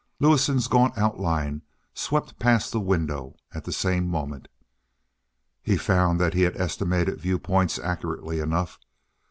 Lewison's gaunt outline swept past the window at the same moment. He found that he had estimated viewpoints accurately enough.